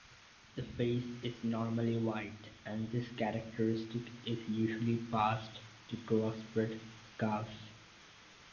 The face is normally white, and this characteristic is usually passed to crossbred calves.